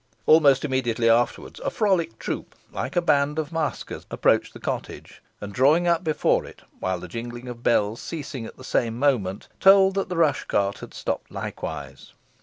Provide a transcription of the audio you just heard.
Almost immediately afterwards a frolic troop, like a band of masquers, approached the cottage, and drew up before it, while the jingling of bells ceasing at the same moment, told that the rush cart had stopped likewise.